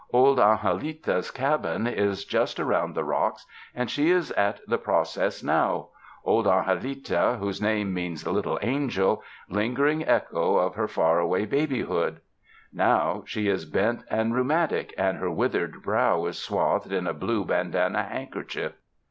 Old Angelita's cabin is just around the rocks and she is at the process now — old Angelita, whose name means "little angel," lingering echo of her far away babyhood. Now she is bent and rheumatic, and her withered brow is swathed in a blue bandanna handkerchief.